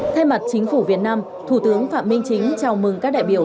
thay mặt chính phủ việt nam thủ tướng phạm minh chính chào mừng các đại biểu